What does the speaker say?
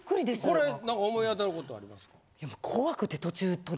これ何か思い当たることありますか？